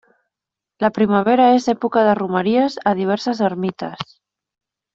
La primavera és època de romeries a diverses ermites.